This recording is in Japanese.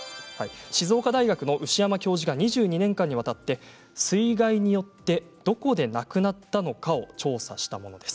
静岡大学の牛山教授が２２年間にわたって水害によってどこで亡くなったのかを調査したものです。